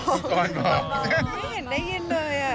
ไม่เห็นได้ยินเลย